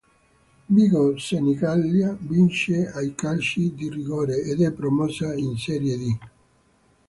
Vigor Senigallia vince ai calci di rigore ed è promossa in serie D